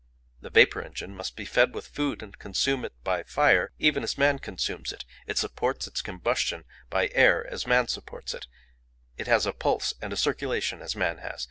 "The vapour engine must be fed with food and consume it by fire even as man consumes it; it supports its combustion by air as man supports it; it has a pulse and circulation as man has.